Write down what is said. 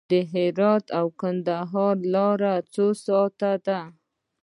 د هرات او کندهار لاره څو ساعته ده؟